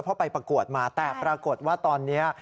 เพราะไปประกวดมาแต่ปรากฏว่าตอนนี้